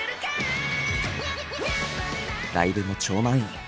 ライブも超満員。